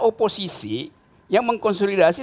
oposisi yang mengkonsolidasi